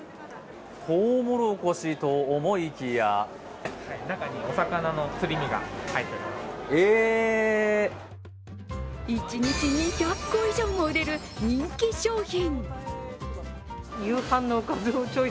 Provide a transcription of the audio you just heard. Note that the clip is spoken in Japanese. とうもろこしと思いきや一日２００個以上も売れる人気商品。